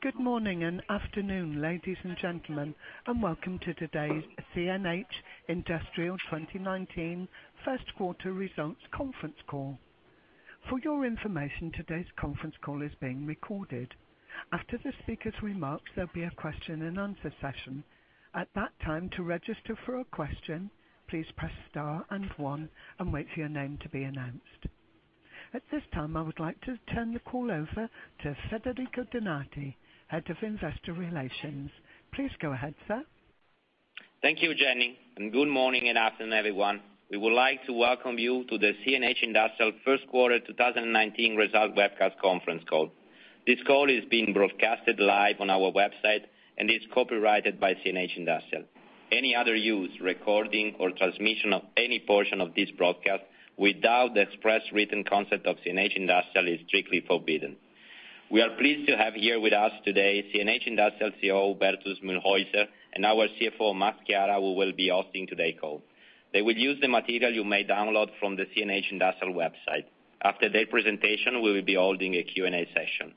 Good morning and afternoon, ladies and gentlemen, welcome to today's CNH Industrial 2019 first quarter results conference call. For your information, today's conference call is being recorded. After the speaker's remarks, there will be a question and answer session. At that time, to register for a question, please press star 1 and wait for your name to be announced. At this time, I would like to turn the call over to Federico Donati, Head of Investor Relations. Please go ahead, sir. Thank you, Jenny, good morning and afternoon, everyone. We would like to welcome you to the CNH Industrial first quarter 2019 result webcast conference call. This call is being broadcasted live on our website and is copyrighted by CNH Industrial. Any other use, recording, or transmission of any portion of this broadcast without the express written consent of CNH Industrial is strictly forbidden. We are pleased to have here with us today CNH Industrial CEO, Hubertus Mühlhäuser, and our CFO, Max Chiara, who will be hosting today's call. They will use the material you may download from the CNH Industrial website. After their presentation, we will be holding a Q&A session.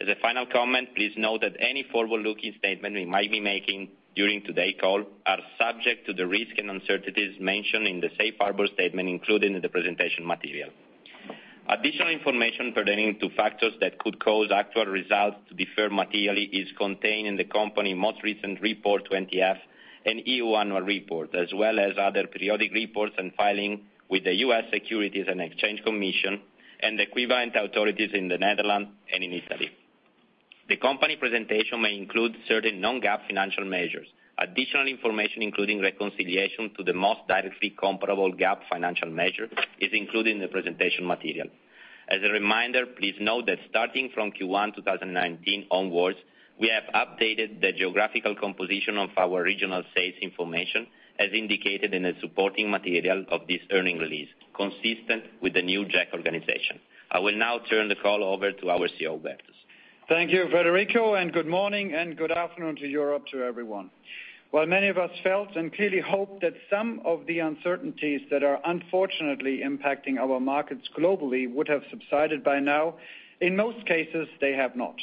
As a final comment, please note that any forward-looking statement we might be making during today's call are subject to the risks and uncertainties mentioned in the safe harbor statement included in the presentation material. Additional information pertaining to factors that could cause actual results to differ materially is contained in the company most recent Form 20-F and EU Annual Report, as well as other periodic reports and filing with the U.S. Securities and Exchange Commission and equivalent authorities in the Netherlands and in Italy. The company presentation may include certain non-GAAP financial measures. Additional information, including reconciliation to the most directly comparable GAAP financial measure, is included in the presentation material. As a reminder, please note that starting from Q1 2019 onwards, we have updated the geographical composition of our regional sales information as indicated in the supporting material of this earnings release, consistent with the new GEC organization. I will now turn the call over to our CEO, Hubertus. Thank you, Federico, good morning and good afternoon to Europe, to everyone. While many of us felt and clearly hoped that some of the uncertainties that are unfortunately impacting our markets globally would have subsided by now, in most cases, they have not.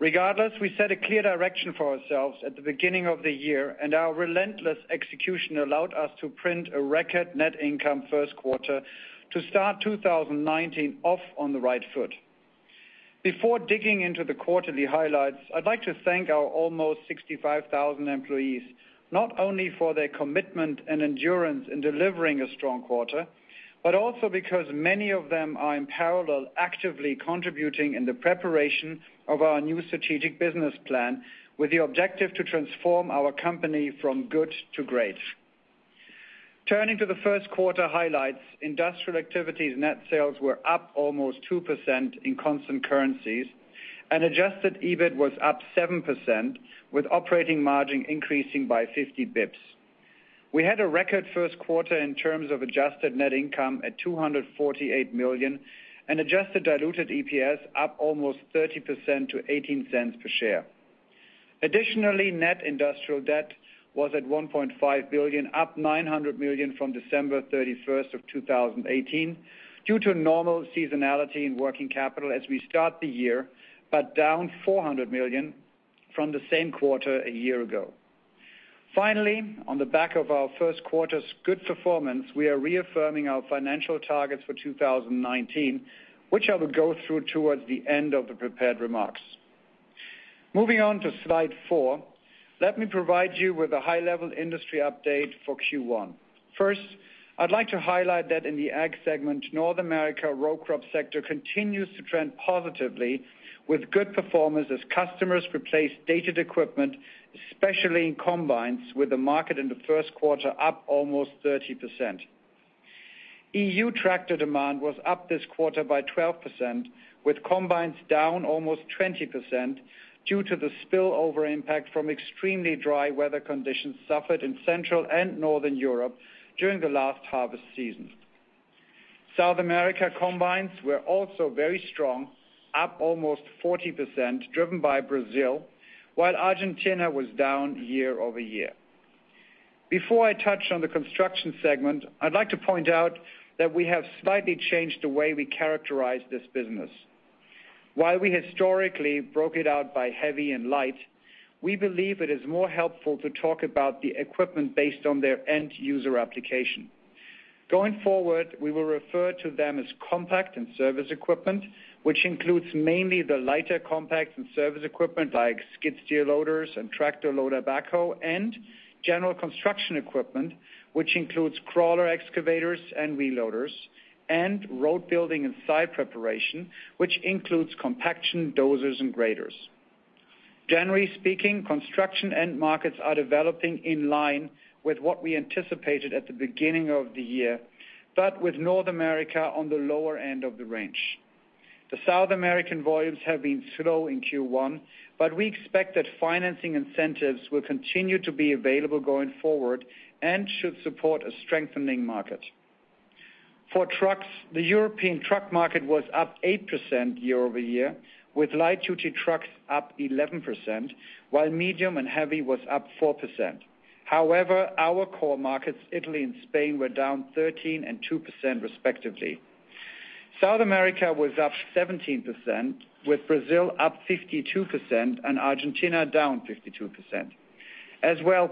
Regardless, we set a clear direction for ourselves at the beginning of the year, and our relentless execution allowed us to print a record net income first quarter to start 2019 off on the right foot. Before digging into the quarterly highlights, I'd like to thank our almost 65,000 employees, not only for their commitment and endurance in delivering a strong quarter, but also because many of them are in parallel, actively contributing in the preparation of our new strategic business plan with the objective to transform our company from good to great. Turning to the first quarter highlights, Industrial Activities net sales were up almost 2% in constant currencies, adjusted EBIT was up 7%, with operating margin increasing by 50 basis points. We had a record first quarter in terms of adjusted net income at $248 million and adjusted diluted EPS up almost 30% to $0.18 per share. Additionally, net industrial debt was at $1.5 billion, up $900 million from December 31, 2018 due to normal seasonality in working capital as we start the year, but down $400 million from the same quarter a year ago. Finally, on the back of our first quarter's good performance, we are reaffirming our financial targets for 2019, which I will go through towards the end of the prepared remarks. Moving on to slide four, let me provide you with a high-level industry update for Q1. First, I'd like to highlight that in the Ag segment, North America row crop sector continues to trend positively with good performance as customers replace dated equipment, especially in combines with the market in the first quarter up almost 30%. EU tractor demand was up this quarter by 12%, with combines down almost 20% due to the spillover impact from extremely dry weather conditions suffered in Central and Northern Europe during the last harvest season. South America combines were also very strong, up almost 40%, driven by Brazil, while Argentina was down year-over-year. Before I touch on the Construction segment, I'd like to point out that we have slightly changed the way we characterize this business. While we historically broke it out by heavy and light, we believe it is more helpful to talk about the equipment based on their end user application. Going forward, we will refer to them as compact and service equipment, which includes mainly the lighter compact and service equipment like skid steer loaders and tractor loader backhoe and general construction equipment, which includes crawler excavators and wheel loaders and road building and site preparation, which includes compaction, dozers, and graders. Generally speaking, construction end markets are developing in line with what we anticipated at the beginning of the year, but with North America on the lower end of the range. The South American volumes have been slow in Q1, but we expect that financing incentives will continue to be available going forward and should support a strengthening market. For trucks, the European truck market was up 8% year-over-year, with light-duty trucks up 11%, while medium and heavy was up 4%. Our core markets, Italy and Spain, were down 13% and 2% respectively. South America was up 17%, with Brazil up 52% and Argentina down 52%.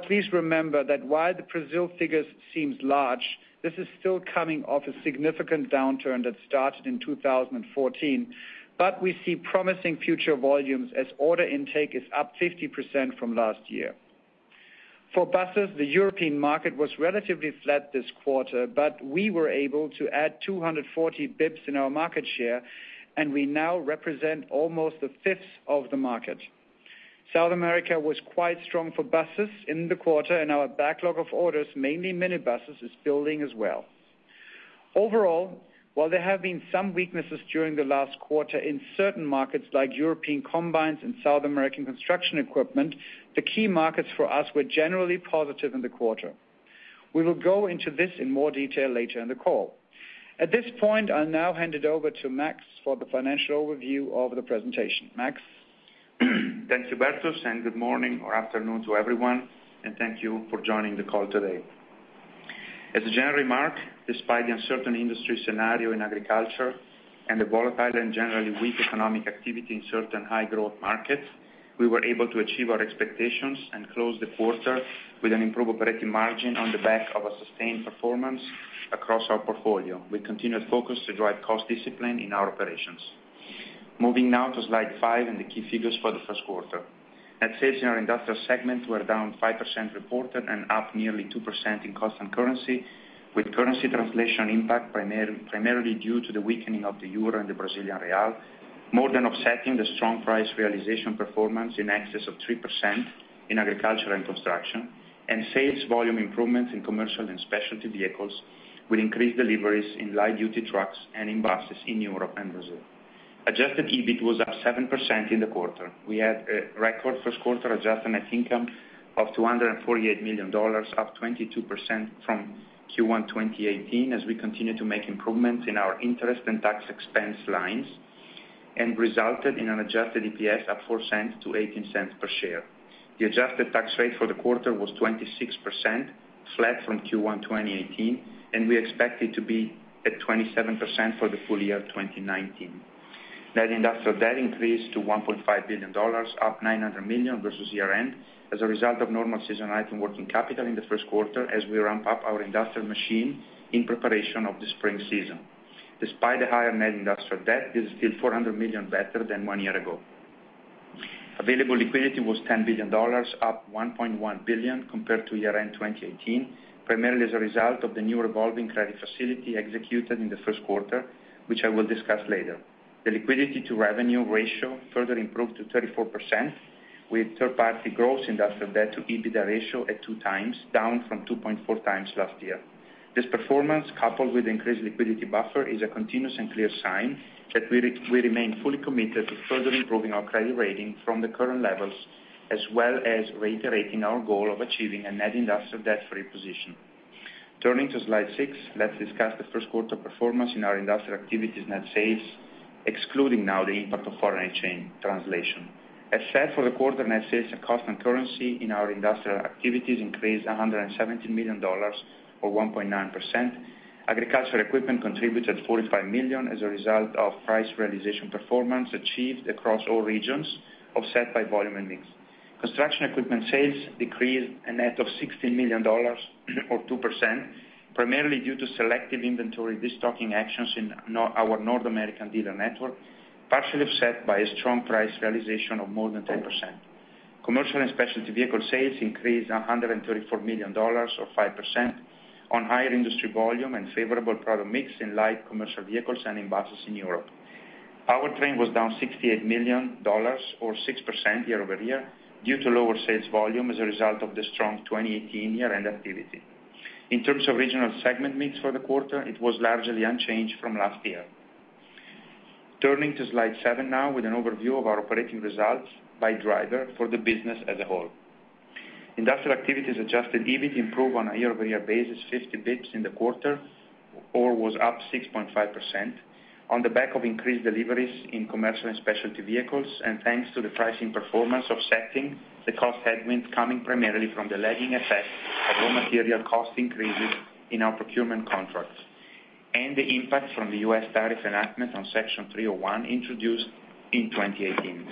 Please remember that while the Brazil figures seems large, this is still coming off a significant downturn that started in 2014. We see promising future volumes as order intake is up 50% from last year. For buses, the European market was relatively flat this quarter, but we were able to add 240 basis points in our market share, and we now represent almost a fifth of the market. South America was quite strong for buses in the quarter, and our backlog of orders, mainly minibuses, is building as well. While there have been some weaknesses during the last quarter in certain markets like European combines and South American construction equipment, the key markets for us were generally positive in the quarter. We will go into this in more detail later in the call. At this point, I'll now hand it over to Max for the financial overview of the presentation. Max? Thanks, Hubertus, good morning or afternoon to everyone, thank you for joining the call today. As a general remark, despite the uncertain industry scenario in agriculture and the volatile and generally weak economic activity in certain high-growth markets, we were able to achieve our expectations and close the quarter with an improved operating margin on the back of a sustained performance across our portfolio. We continued focus to drive cost discipline in our operations. Moving now to slide five and the key figures for the first quarter. Net sales in our industrial segments were down 5% reported and up nearly 2% in constant currency, with currency translation impact primarily due to the weakening of the EUR and the Brazilian real, more than offsetting the strong price realization performance in excess of 3% in agriculture and construction, sales volume improvements in commercial and specialty vehicles, with increased deliveries in light-duty trucks and in buses in Europe and Brazil. Adjusted EBIT was up 7% in the quarter. We had a record first quarter adjusted net income of $248 million, up 22% from Q1 2018, as we continue to make improvements in our interest and tax expense lines, resulted in an adjusted EPS up $0.04 to $0.18 per share. The adjusted tax rate for the quarter was 26%, flat from Q1 2018, we expect it to be at 27% for the full year 2019. Net industrial debt increased to $1.5 billion, up $900 million versus year-end, as a result of normal season item working capital in the first quarter as we ramp up our industrial machine in preparation of the spring season. Despite the higher net industrial debt, this is still $400 million better than one year ago. Available liquidity was $10 billion, up $1.1 billion compared to year-end 2018, primarily as a result of the new revolving credit facility executed in the first quarter, which I will discuss later. The liquidity to revenue ratio further improved to 34%, with third-party gross industrial debt to EBITDA ratio at 2 times, down from 2.4 times last year. This performance, coupled with increased liquidity buffer, is a continuous and clear sign that we remain fully committed to further improving our credit rating from the current levels, as well as reiterating our goal of achieving a net industrial debt-free position. Turning to slide six, let's discuss the first quarter performance in our industrial activities net sales, excluding now the impact of foreign exchange translation. As said for the quarter, net sales and constant currency in our industrial activities increased $117 million or 1.9%. Agricultural equipment contributed $45 million as a result of price realization performance achieved across all regions, offset by volume and mix. Construction equipment sales decreased a net of $16 million or 2%, primarily due to selective inventory destocking actions in our North American dealer network, partially offset by a strong price realization of more than 10%. Commercial and specialty vehicle sales increased $134 million or 5% on higher industry volume and favorable product mix in light commercial vehicles and in buses in Europe. Powertrain was down $68 million or 6% year-over-year due to lower sales volume as a result of the strong 2018 year-end activity. In terms of regional segment mix for the quarter, it was largely unchanged from last year. Turning to slide seven now with an overview of our operating results by driver for the business as a whole. Industrial activities adjusted EBIT improved on a year-over-year basis 50 basis points in the quarter or was up 6.5% on the back of increased deliveries in commercial and specialty vehicles, and thanks to the pricing performance offsetting the cost headwind coming primarily from the lagging effect of raw material cost increases in our procurement contracts and the impact from the U.S. tariff enactment on Section 301 introduced in 2018.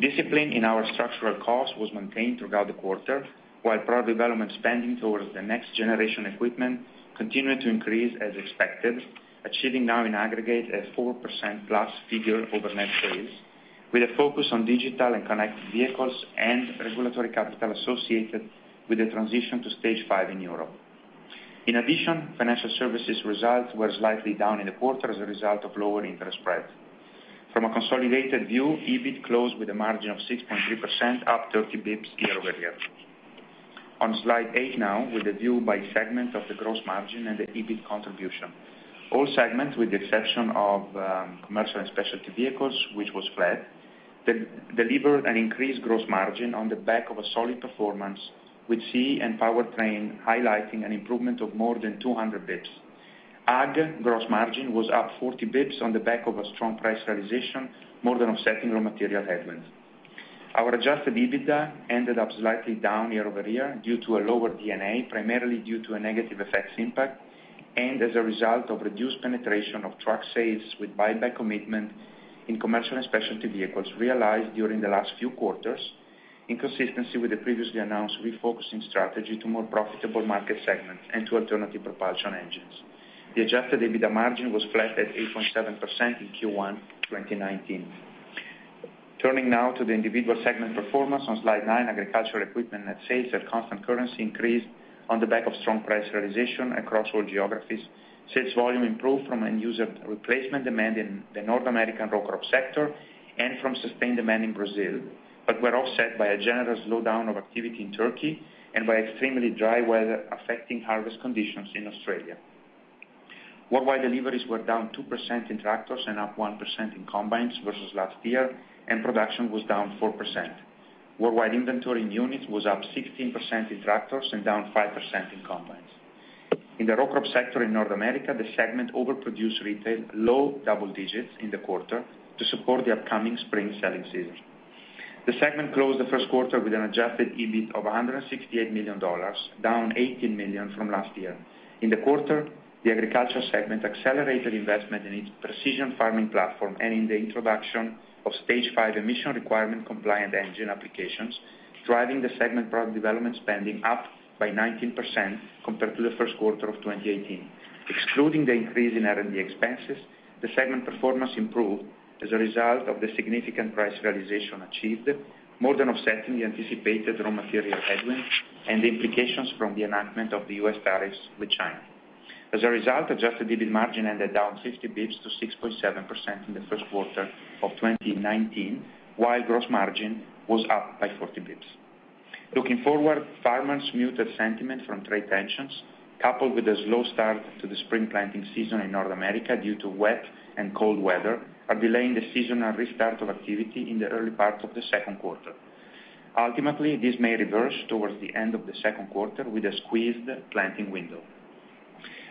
Discipline in our structural cost was maintained throughout the quarter, while product development spending towards the next generation equipment continued to increase as expected, achieving now in aggregate a 4%+ figure over net sales, with a focus on digital and connected vehicles and regulatory capital associated with the transition to Stage V in Europe. In addition, financial services results were slightly down in the quarter as a result of lower interest spread. From a consolidated view, EBIT closed with a margin of 6.3%, up 30 basis points year-over-year. On slide eight now with a view by segment of the gross margin and the EBIT contribution. All segments, with the exception of commercial and specialty vehicles, which was flat, delivered an increased gross margin on the back of a solid performance, with CE and powertrain highlighting an improvement of more than 200 basis points. Ag gross margin was up 40 basis points on the back of a strong price realization, more than offsetting raw material headwinds. Our adjusted EBITDA ended up slightly down year-over-year due to a lower D&A, primarily due to a negative FX impact, and as a result of reduced penetration of truck sales with buyback commitment in Commercial and Specialty Vehicles realized during the last few quarters, in consistency with the previously announced refocusing strategy to more profitable market segments and to alternative propulsion engines. The adjusted EBITDA margin was flat at 8.7% in Q1 2019. Turning now to the individual segment performance on slide nine, Agricultural Equipment net sales at constant currency increased on the back of strong price realization across all geographies. Sales volume improved from end-user replacement demand in the North American row crop sector and from sustained demand in Brazil, but were offset by a general slowdown of activity in Turkey and by extremely dry weather affecting harvest conditions in Australia. Worldwide deliveries were down 2% in tractors and up 1% in combines versus last year, and production was down 4%. Worldwide inventory in units was up 16% in tractors and down 5% in combines. In the row crop sector in North America, the segment overproduced retail low double digits in the quarter to support the upcoming spring selling season. The segment closed the first quarter with an adjusted EBIT of $168 million, down $18 million from last year. In the quarter, the Agricultural Equipment segment accelerated investment in its precision farming platform and in the introduction of Stage 5 emission requirement compliant engine applications, driving the segment product development spending up by 19% compared to the first quarter of 2018. Excluding the increase in R&D expenses, the segment performance improved as a result of the significant price realization achieved, more than offsetting the anticipated raw material headwinds and the implications from the enactment of the U.S. tariffs with China. As a result, adjusted EBIT margin ended down 50 basis points to 6.7% in the first quarter of 2019, while gross margin was up by 40 basis points. Looking forward, farmers' muted sentiment from trade tensions, coupled with a slow start to the spring planting season in North America due to wet and cold weather, are delaying the seasonal restart of activity in the early part of the second quarter. Ultimately, this may reverse towards the end of the second quarter with a squeezed planting window.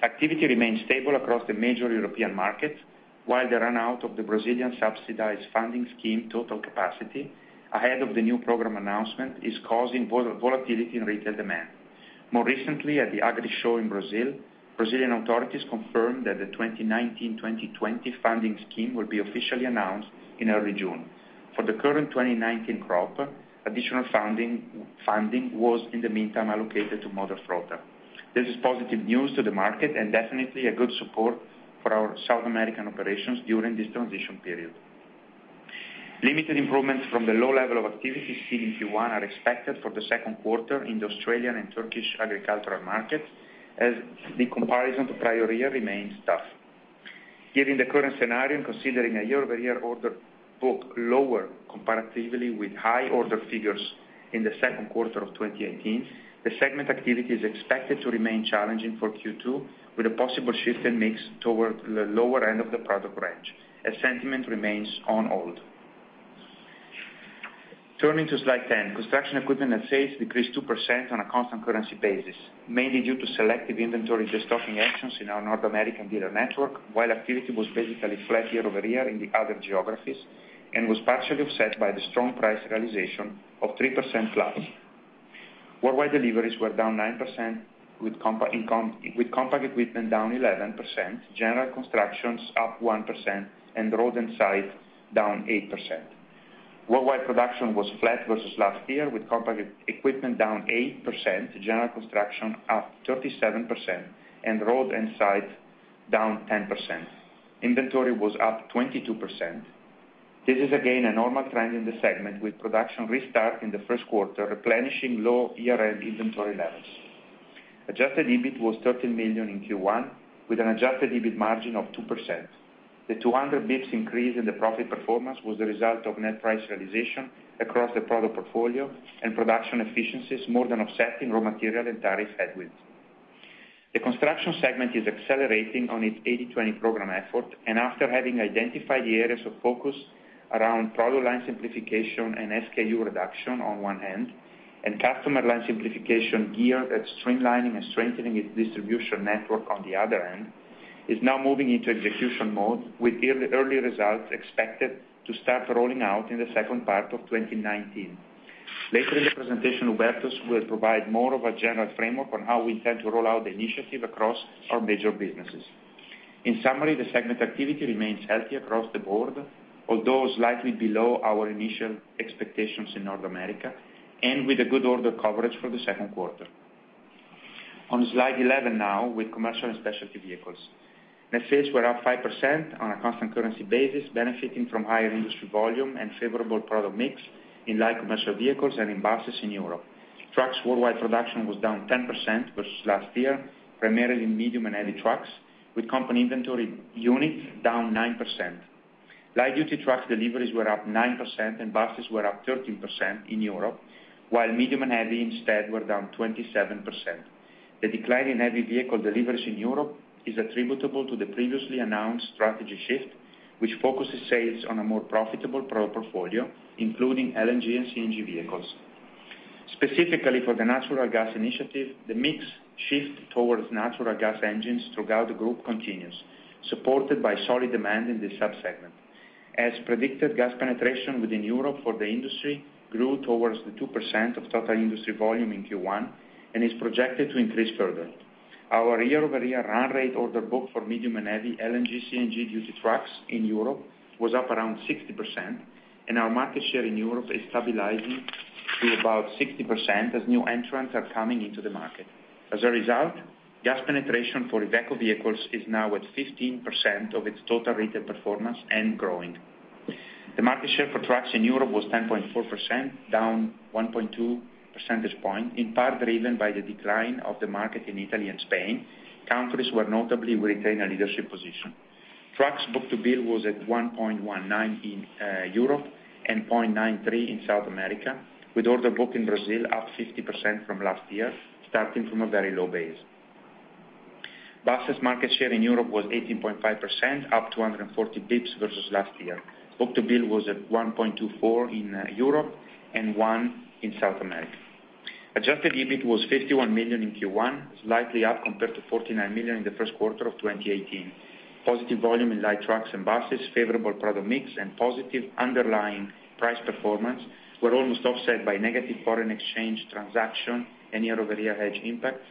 Activity remains stable across the major European markets, while the run-out of the Brazilian subsidized funding scheme total capacity ahead of the new program announcement is causing volatility in retail demand. More recently, at the Agrishow in Brazil, Brazilian authorities confirmed that the 2019/2020 funding scheme will be officially announced in early June. For the current 2019 crop, additional funding was in the meantime allocated to Moderfrota. This is positive news to the market and definitely a good support for our South American operations during this transition period. Limited improvements from the low level of activity seen in Q1 are expected for the second quarter in the Australian and Turkish agricultural market, as the comparison to prior-year remains tough. Given the current scenario, considering a year-over-year order book lower comparatively with high order figures in the second quarter of 2018, the segment activity is expected to remain challenging for Q2, with a possible shift in mix toward the lower end of the product range as sentiment remains on hold. Turning to slide 10. Construction equipment net sales decreased 2% on a constant currency basis, mainly due to selective inventory de-stocking actions in our North American dealer network, while activity was basically flat year-over-year in the other geographies and was partially offset by the strong price realization of 3%+. Worldwide deliveries were down 9%, with compact equipment down 11%, general constructions up 1%, and road and site down 8%. Worldwide production was flat versus last year, with compact equipment down 8%, general construction up 37%, and road and site down 10%. Inventory was up 22%. This is again a normal trend in the segment, with production restart in the first quarter replenishing low year-end inventory levels. Adjusted EBIT was 13 million in Q1, with an adjusted EBIT margin of 2%. The 200 basis points increase in the profit performance was the result of net price realization across the product portfolio and production efficiencies more than offsetting raw material and tariff headwinds. The construction segment is accelerating on its 80/20 program effort, and after having identified the areas of focus around product line simplification and SKU reduction on one hand, and customer line simplification geared at streamlining and strengthening its distribution network on the other hand, is now moving into execution mode, with early results expected to start rolling out in the second part of 2019. Later in the presentation, Hubertus will provide more of a general framework on how we intend to roll out the initiative across our major businesses. In summary, the segment activity remains healthy across the board, although slightly below our initial expectations in North America, and with a good order coverage for the second quarter. On slide 11 now, with commercial and specialty vehicles. Net sales were up 5% on a constant currency basis, benefiting from higher industry volume and favorable product mix in light commercial vehicles and in buses in Europe. Trucks' worldwide production was down 10% versus last year, primarily in medium and heavy trucks, with company inventory units down 9%. Light-duty truck deliveries were up 9% and buses were up 13% in Europe, while medium and heavy instead were down 27%. The decline in heavy vehicle deliveries in Europe is attributable to the previously announced strategy shift, which focuses sales on a more profitable product portfolio, including LNG and CNG vehicles. Specifically for the natural gas initiative, the mix shift towards natural gas engines throughout the group continues, supported by solid demand in this sub-segment. As predicted, gas penetration within Europe for the industry grew towards the 2% of total industry volume in Q1 and is projected to increase further. Our year-over-year run rate order book for medium and heavy LNG, CNG duty trucks in Europe was up around 60%, and our market share in Europe is stabilizing to about 60% as new entrants are coming into the market. As a result, gas penetration for Iveco vehicles is now at 15% of its total retail performance and growing. The market share for trucks in Europe was 10.4%, down 1.2 percentage point, in part driven by the decline of the market in Italy and Spain, countries where notably we retain a leadership position. Trucks book to bill was at 1.19 in Europe and 0.93 in South America, with order book in Brazil up 50% from last year, starting from a very low base. Buses market share in Europe was 18.5%, up 240 basis points versus last year. Book to bill was at 1.24 in Europe and 1 in South America. Adjusted EBIT was 51 million in Q1, slightly up compared to 49 million in the first quarter of 2018. Positive volume in light trucks and buses, favorable product mix, and positive underlying price performance were almost offset by negative foreign exchange transaction and year-over-year hedge impact,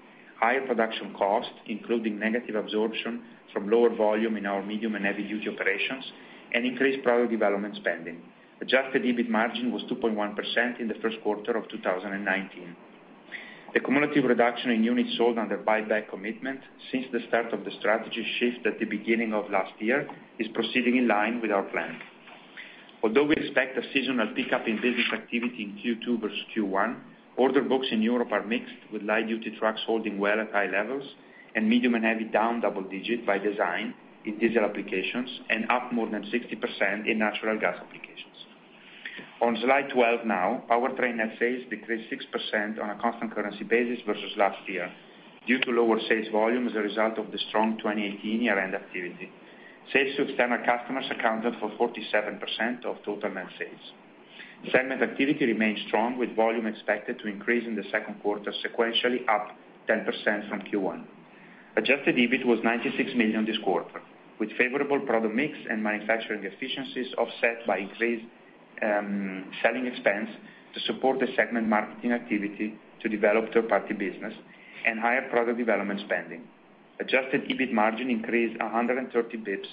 higher production cost, including negative absorption from lower volume in our medium and heavy-duty operations, and increased product development spending. Adjusted EBIT margin was 2.1% in the first quarter of 2019. The cumulative reduction in units sold under buyback commitment since the start of the strategy shift at the beginning of last year is proceeding in line with our plan. Although we expect a seasonal pickup in business activity in Q2 versus Q1, order books in Europe are mixed, with light-duty trucks holding well at high levels and medium and heavy down double-digit by design in diesel applications and up more than 60% in natural gas applications. On slide 12 now, powertrain net sales decreased 6% on a constant currency basis versus last year due to lower sales volume as a result of the strong 2018 year-end activity. Sales to external customers accounted for 47% of total net sales. Segment activity remains strong, with volume expected to increase in the second quarter sequentially up 10% from Q1. Adjusted EBIT was 96 million this quarter, with favorable product mix and manufacturing efficiencies offset by increased selling expense to support the segment marketing activity to develop third-party business and higher product development spending. Adjusted EBIT margin increased 130 basis points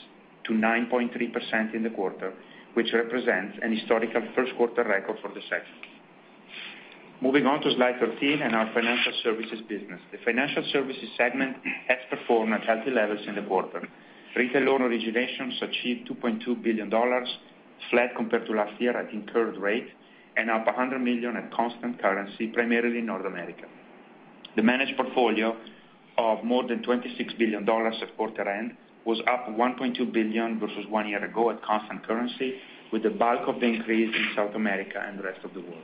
to 9.3% in the quarter, which represents an historical first quarter record for the segment. Moving on to slide 13 and our financial services business. The financial services segment has performed at healthy levels in the quarter. Retail loan originations achieved EUR 2.2 billion, flat compared to last year at incurred rate, and up 100 million at constant currency, primarily in North America. The managed portfolio of more than EUR 26 billion at quarter end was up 1.2 billion versus one year ago at constant currency, with the bulk of the increase in South America and the rest of the world.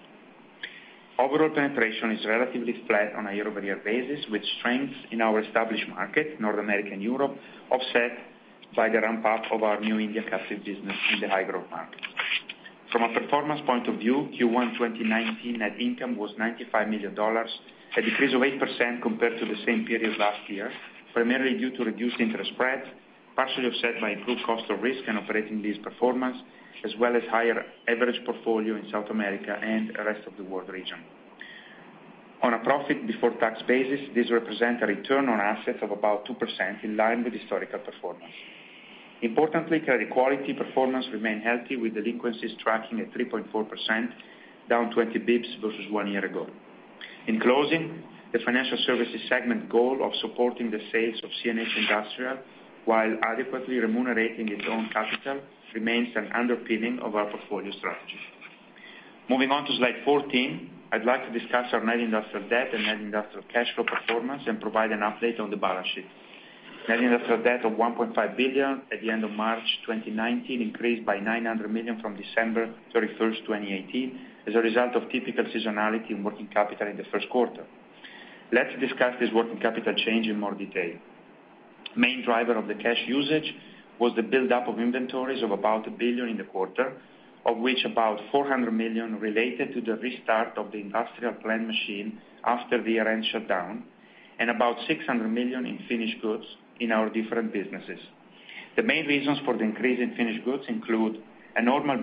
Overall penetration is relatively flat on a year-over-year basis, with strengths in our established market, North America and Europe, offset by the ramp-up of our new India captive business in the high-growth market. From a performance point of view, Q1 2019 net income was $95 million, a decrease of 8% compared to the same period last year, primarily due to reduced interest spread, partially offset by improved cost of risk and operating lease performance, as well as higher average portfolio in South America and rest of the world region. On a profit before tax basis, this represent a return on assets of about 2%, in line with historical performance. Importantly, credit quality performance remain healthy, with delinquencies tracking at 3.4%, down 20 basis points versus one year ago. In closing, the financial services segment goal of supporting the sales of CNH Industrial while adequately remunerating its own capital remains an underpinning of our portfolio strategy. Moving on to slide 14, I'd like to discuss our net industrial debt and net industrial cash flow performance and provide an update on the balance sheet. Net industrial debt of $1.5 billion at the end of March 2019 increased by $900 million from December 31st, 2018, as a result of typical seasonality in working capital in the first quarter. Let's discuss this working capital change in more detail. Main driver of the cash usage was the buildup of inventories of about $1 billion in the quarter, of which about $400 million related to the restart of the industrial plant machine after year-end shutdown, and about $600 million in finished goods in our different businesses. The main reasons for the increase in finished goods include a normal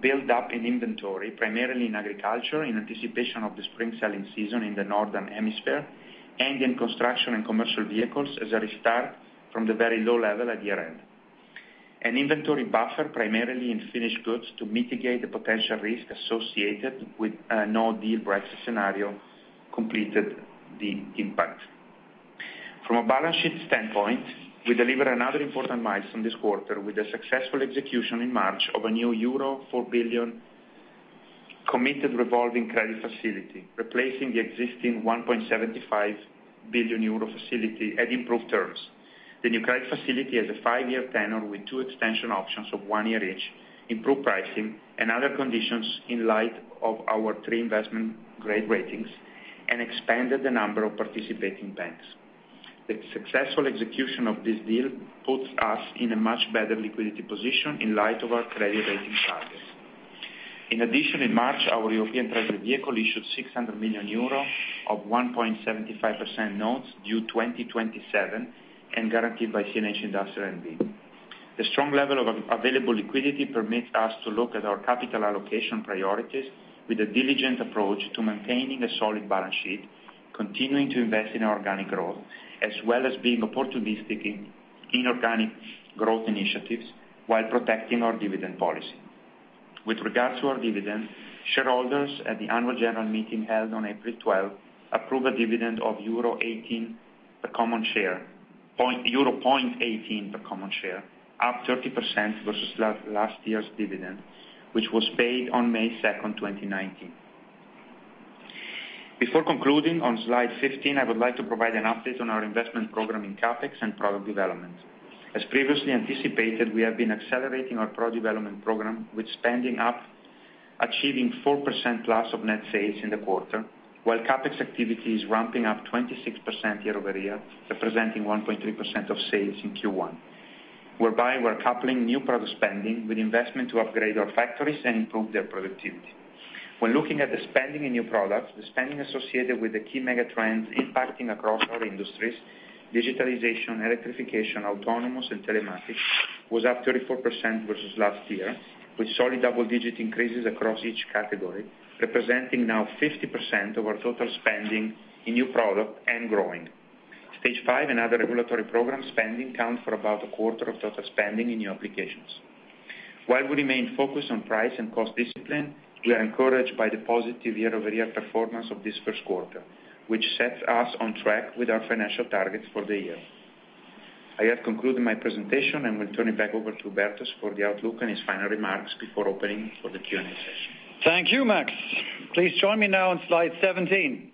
buildup in inventory, primarily in agriculture, in anticipation of the spring selling season in the Northern Hemisphere, and in construction and commercial vehicles as a restart from the very low level at year-end. An inventory buffer primarily in finished goods to mitigate the potential risk associated with a no-deal Brexit scenario completed the impact. From a balance sheet standpoint, we delivered another important milestone this quarter with the successful execution in March of a new euro 4 billion committed revolving credit facility, replacing the existing 1.75 billion euro facility at improved terms. The new credit facility has a five-year tenure with two extension options of one year each, improved pricing and other conditions in light of our three investment grade ratings, and expanded the number of participating banks. The successful execution of this deal puts us in a much better liquidity position in light of our credit rating targets. In addition, in March, our European Treasury vehicle issued 600 million euro of 1.75% notes due 2027 and guaranteed by CNH Industrial N.V. The strong level of available liquidity permits us to look at our capital allocation priorities with a diligent approach to maintaining a solid balance sheet, continuing to invest in our organic growth, as well as being opportunistic in organic growth initiatives while protecting our dividend policy. With regards to our dividend, shareholders at the annual general meeting held on April 12 approved a dividend of euro 0.18 per common share, up 30% versus last year's dividend, which was paid on May 2nd, 2019. Before concluding on slide 15, I would like to provide an update on our investment program in CapEx and product development. As previously anticipated, we have been accelerating our product development program, with spending up, achieving 4%+ of net sales in the quarter, while CapEx activity is ramping up 26% year-over-year, representing 1.3% of sales in Q1, whereby we're coupling new product spending with investment to upgrade our factories and improve their productivity. When looking at the spending in new products, the spending associated with the key mega trends impacting across our industries, digitalization, electrification, autonomous, and telematics, was up 34% versus last year, with solid double-digit increases across each category, representing now 50% of our total spending in new product and growing. Stage 5 and other regulatory program spending account for about a quarter of total spending in new applications. While we remain focused on price and cost discipline, we are encouraged by the positive year-over-year performance of this first quarter, which sets us on track with our financial targets for the year. I have concluded my presentation and will turn it back over to Hubertus for the outlook and his final remarks before opening for the Q&A session. Thank you, Max. Please join me now on slide 17.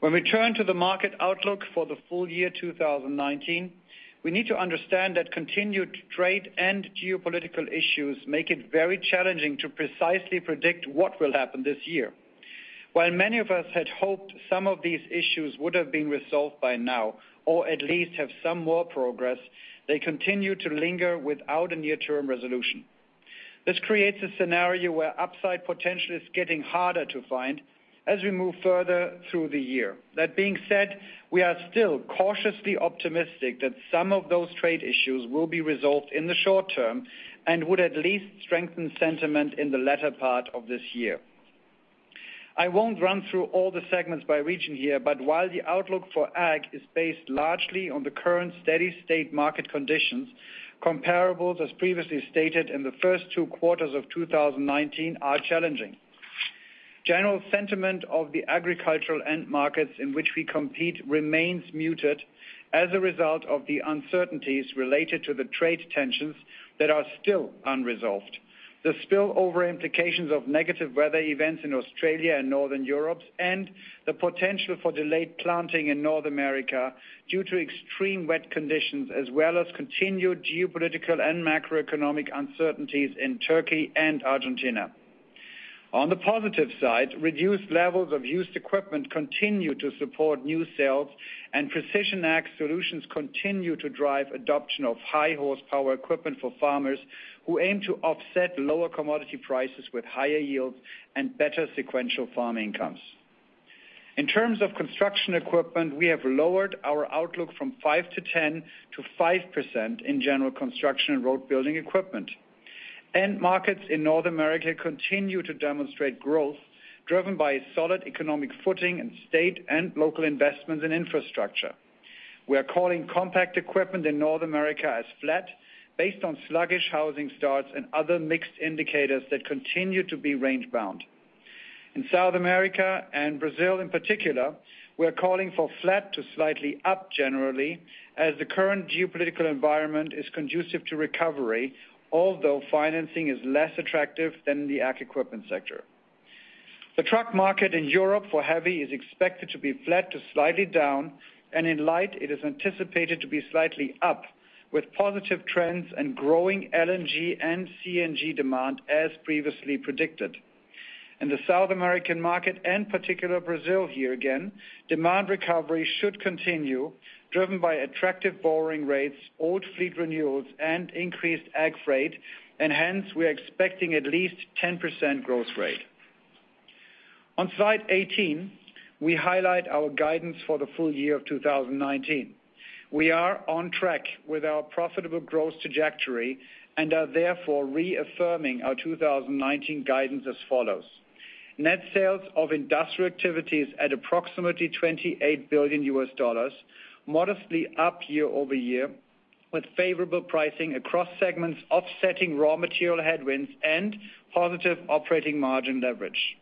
When we turn to the market outlook for the full year 2019, we need to understand that continued trade and geopolitical issues make it very challenging to precisely predict what will happen this year. While many of us had hoped some of these issues would have been resolved by now, or at least have some more progress, they continue to linger without a near-term resolution. This creates a scenario where upside potential is getting harder to find as we move further through the year. That being said, we are still cautiously optimistic that some of those trade issues will be resolved in the short term and would at least strengthen sentiment in the latter part of this year. I won't run through all the segments by region here, but while the outlook for ag is based largely on the current steady state market conditions, comparables, as previously stated in the first two quarters of 2019, are challenging. General sentiment of the agricultural end markets in which we compete remains muted as a result of the uncertainties related to the trade tensions that are still unresolved. The spillover implications of negative weather events in Australia and Northern Europe and the potential for delayed planting in North America due to extreme wet conditions, as well as continued geopolitical and macroeconomic uncertainties in Turkey and Argentina. On the positive side, reduced levels of used equipment continue to support new sales, and Precision Ag solutions continue to drive adoption of high horsepower equipment for farmers who aim to offset lower commodity prices with higher yields and better sequential farm incomes. In terms of construction equipment, we have lowered our outlook from 5% to 10% to 5% in general construction and road-building equipment. End markets in North America continue to demonstrate growth driven by a solid economic footing in state and local investments in infrastructure. We are calling compact equipment in North America as flat based on sluggish housing starts and other mixed indicators that continue to be range bound. In South America and Brazil in particular, we are calling for flat to slightly up generally as the current geopolitical environment is conducive to recovery, although financing is less attractive than the ag equipment sector. The truck market in Europe for heavy is expected to be flat to slightly down, and in light, it is anticipated to be slightly up with positive trends and growing LNG and CNG demand as previously predicted. In the South American market, and particularly Brazil here again, demand recovery should continue, driven by attractive borrowing rates, old fleet renewals, and increased ag freight, and hence we are expecting at least 10% growth rate. On slide 18, we highlight our guidance for the full year of 2019. We are on track with our profitable growth trajectory and are therefore reaffirming our 2019 guidance as follows. Net sales of industrial activities at approximately $28 billion, modestly up year-over-year, with favorable pricing across segments offsetting raw material headwinds and positive operating margin leverage.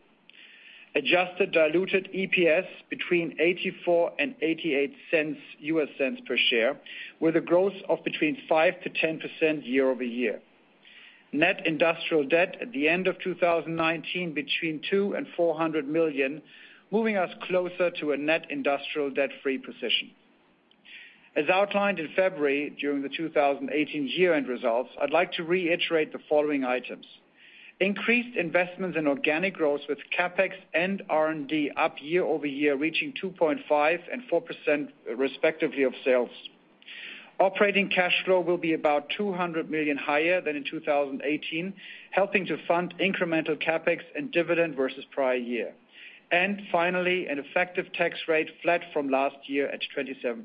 Adjusted diluted EPS between $0.84 and $0.88 per share, with a growth of between 5%-10% year-over-year. Net industrial debt at the end of 2019 between $2 million and $400 million, moving us closer to a net industrial debt-free position. As outlined in February during the 2018 year-end results, I'd like to reiterate the following items. Increased investments in organic growth with CapEx and R&D up year-over-year, reaching 2.5% and 4%, respectively, of sales. Operating cash flow will be about $200 million higher than in 2018, helping to fund incremental CapEx and dividend versus prior year. Finally, an effective tax rate flat from last year at 27%.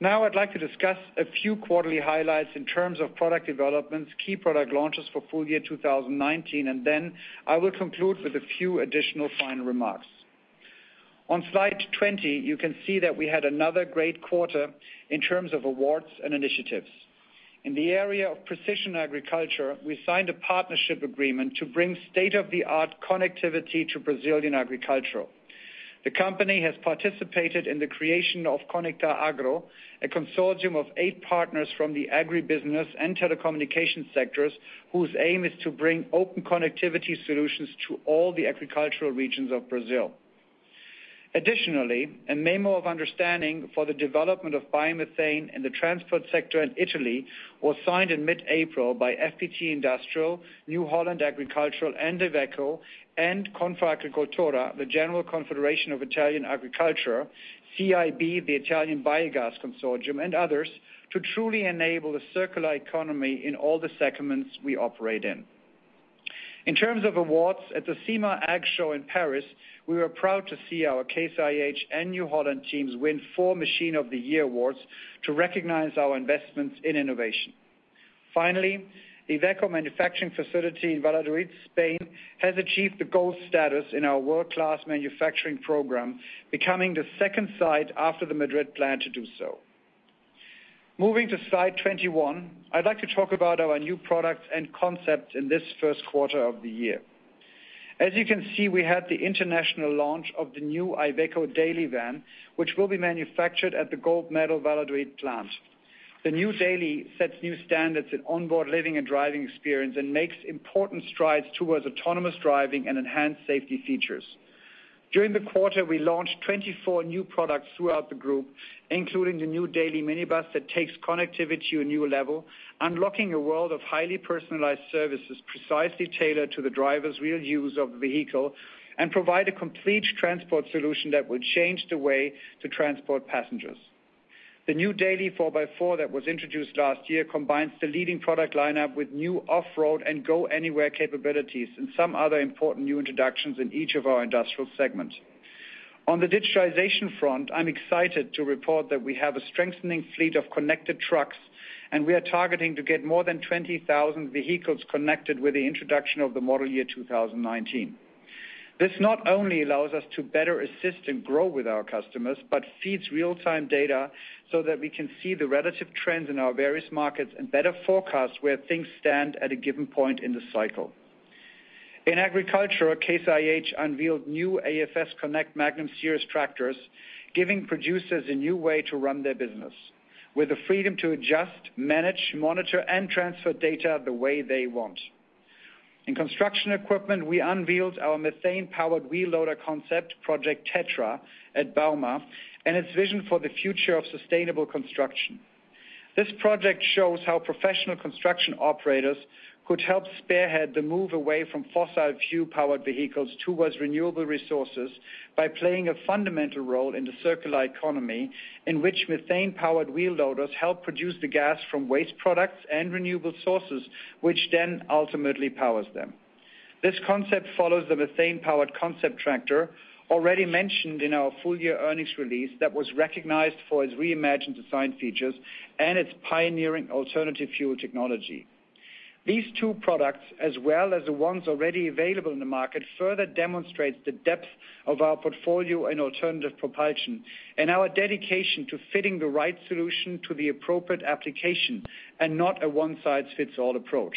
Now I'd like to discuss a few quarterly highlights in terms of product developments, key product launches for full year 2019, and then I will conclude with a few additional final remarks. On slide 20, you can see that we had another great quarter in terms of awards and initiatives. In the area of precision agriculture, we signed a partnership agreement to bring state-of-the-art connectivity to Brazilian agriculture. The company has participated in the creation of ConectarAGRO, a consortium of eight partners from the agribusiness and telecommunication sectors, whose aim is to bring open connectivity solutions to all the agricultural regions of Brazil. Additionally, a memo of understanding for the development of biomethane in the transport sector in Italy was signed in mid-April by FPT Industrial, New Holland Agriculture, and Iveco, Confagricoltura, the General Confederation of Italian Agriculture, CIB, the Italian Biogas Consortium, and others, to truly enable a circular economy in all the segments we operate in. In terms of awards, at the SIMA Ag Show in Paris, we were proud to see our Case IH and New Holland teams win four Machine of the Year awards to recognize our investments in innovation. The Iveco manufacturing facility in Valladolid, Spain, has achieved the gold status in our World Class Manufacturing program, becoming the second site after the Madrid plant to do so. Moving to slide 21, I'd like to talk about our new products and concepts in this first quarter of the year. As you can see, we had the international launch of the new Iveco Daily van, which will be manufactured at the gold medal Valladolid plant. The new Daily sets new standards in onboard living and driving experience and makes important strides towards autonomous driving and enhanced safety features. During the quarter, we launched 24 new products throughout the group, including the new Daily minibus that takes connectivity to a new level, unlocking a world of highly personalized services precisely tailored to the driver's real use of the vehicle and provide a complete transport solution that will change the way to transport passengers. The new Daily 4x4 that was introduced last year combines the leading product lineup with new off-road and go-anywhere capabilities and some other important new introductions in each of our industrial segments. On the digitalization front, I'm excited to report that we have a strengthening fleet of connected trucks, and we are targeting to get more than 20,000 vehicles connected with the introduction of the model year 2019. This not only allows us to better assist and grow with our customers, but feeds real-time data so that we can see the relative trends in our various markets and better forecast where things stand at a given point in the cycle. In agriculture, Case IH unveiled new AFS Connect Magnum Series tractors, giving producers a new way to run their business with the freedom to adjust, manage, monitor, and transfer data the way they want. In construction equipment, we unveiled our methane-powered wheel loader concept, Project Tetra, at bauma, and its vision for the future of sustainable construction. This project shows how professional construction operators could help spearhead the move away from fossil fuel-powered vehicles towards renewable resources by playing a fundamental role in the circular economy in which methane-powered wheel loaders help produce the gas from waste products and renewable sources, which then ultimately powers them. This concept follows the methane-powered concept tractor already mentioned in our full-year earnings release that was recognized for its reimagined design features and its pioneering alternative fuel technology. These two products, as well as the ones already available in the market, further demonstrates the depth of our portfolio in alternative propulsion and our dedication to fitting the right solution to the appropriate application and not a one-size-fits-all approach.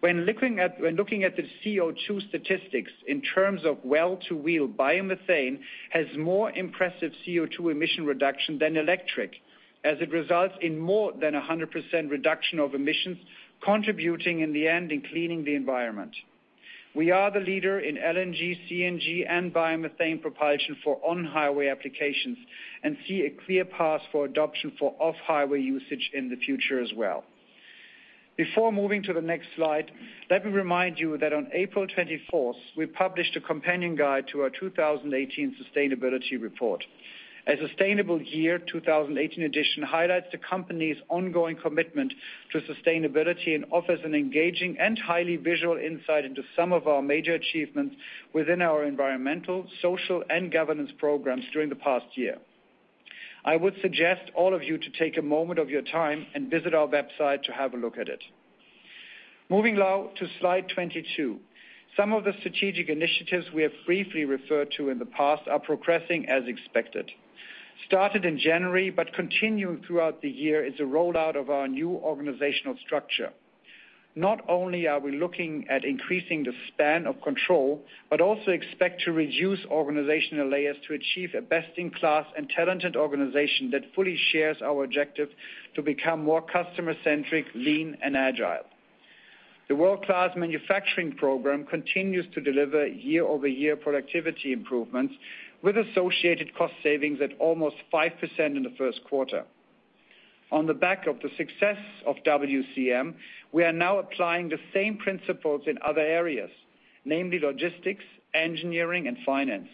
When looking at the CO2 statistics in terms of well to wheel, biomethane has more impressive CO2 emission reduction than electric, as it results in more than 100% reduction of emissions, contributing in the end in cleaning the environment. We are the leader in LNG, CNG, and biomethane propulsion for on-highway applications and see a clear path for adoption for off-highway usage in the future as well. Before moving to the next slide, let me remind you that on April 24th, we published a companion guide to our 2018 Sustainability Report. A Sustainable Year 2018 edition highlights the company's ongoing commitment to sustainability and offers an engaging and highly visual insight into some of our major achievements within our environmental, social, and governance programs during the past year. I would suggest all of you to take a moment of your time and visit our website to have a look at it. Moving now to slide 22. Some of the strategic initiatives we have briefly referred to in the past are progressing as expected. Started in January but continuing throughout the year is the rollout of our new organizational structure. Not only are we looking at increasing the span of control, but also expect to reduce organizational layers to achieve a best-in-class and talented organization that fully shares our objective to become more customer-centric, lean, and agile. The World Class Manufacturing program continues to deliver year-over-year productivity improvements with associated cost savings at almost 5% in the first quarter. On the back of the success of WCM, we are now applying the same principles in other areas, namely logistics, engineering, and finance.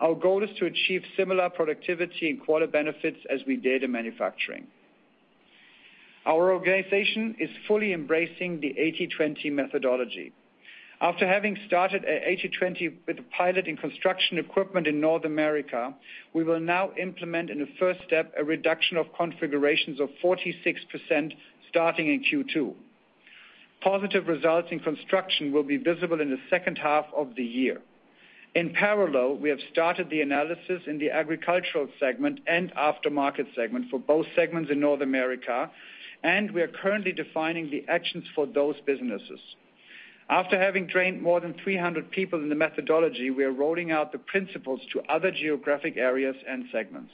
Our goal is to achieve similar productivity and cost benefits as we did in manufacturing. Our organization is fully embracing the 80/20 methodology. After having started at 80/20 with a pilot in construction equipment in North America, we will now implement in the first step, a reduction of configurations of 46% starting in Q2. Positive results in construction will be visible in the second half of the year. In parallel, we have started the analysis in the agricultural segment and aftermarket segment for both segments in North America. We are currently defining the actions for those businesses. After having trained more than 300 people in the methodology, we are rolling out the principles to other geographic areas and segments.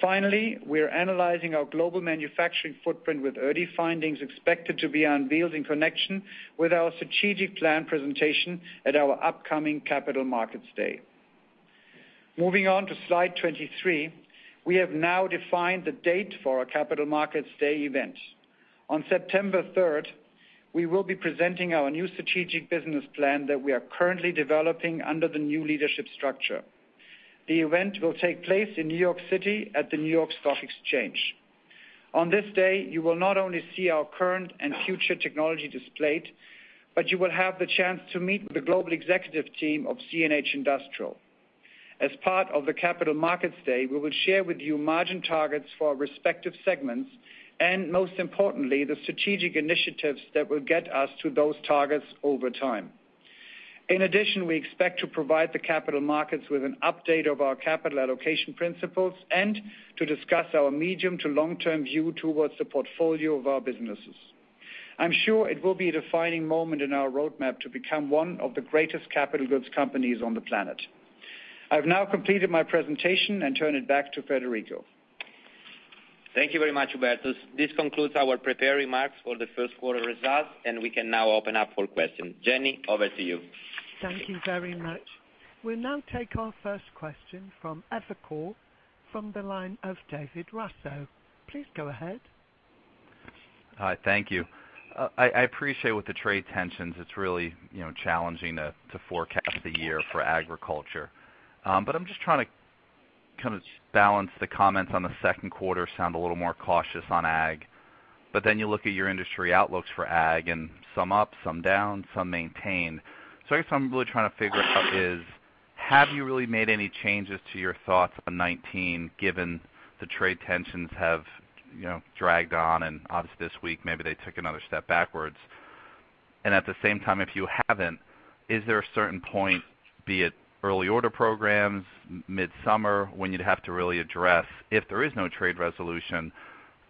Finally, we are analyzing our global manufacturing footprint with early findings expected to be unveiled in connection with our strategic plan presentation at our upcoming Capital Markets Day. Moving on to slide 23. We have now defined the date for our Capital Markets Day event. On September 3rd, we will be presenting our new strategic business plan that we are currently developing under the new leadership structure. The event will take place in New York City at the New York Stock Exchange. On this day, you will not only see our current and future technology displayed, but you will have the chance to meet the global executive team of CNH Industrial. As part of the Capital Markets Day, we will share with you margin targets for our respective segments, most importantly, the strategic initiatives that will get us to those targets over time. In addition, we expect to provide the capital markets with an update of our capital allocation principles and to discuss our medium to long-term view towards the portfolio of our businesses. I'm sure it will be a defining moment in our roadmap to become one of the greatest capital goods companies on the planet. I've now completed my presentation and turn it back to Federico. Thank you very much, Hubertus. This concludes our prepared remarks for the first quarter results. We can now open up for questions. Jenny, over to you. Thank you very much. We'll now take our first question from Evercore ISI from the line of David Raso. Please go ahead. Hi, thank you. I appreciate with the trade tensions, it's really challenging to forecast the year for agriculture. I'm just trying to balance the comments on the second quarter sound a little more cautious on ag, but then you look at your industry outlooks for ag and some up, some down, some maintained. I guess what I'm really trying to figure out is, have you really made any changes to your thoughts on 2019 given the trade tensions have dragged on and obviously this week, maybe they took another step backwards. At the same time, if you haven't, is there a certain point, be it early order programs, mid-summer, when you'd have to really address if there is no trade resolution,